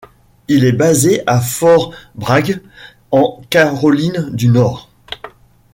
Il est basé à Fort Bragg, en Caroline du Nord.